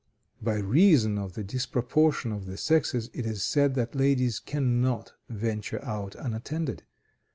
By reason of the disproportion of the sexes, it is said that ladies can not venture out unattended.